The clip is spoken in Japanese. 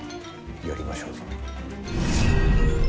やりましょうぞ。